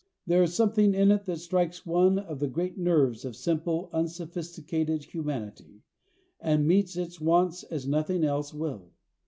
There is something in it that strikes one of the great nerves of simple, unsophisticated humanity, and meets its wants as nothing else will.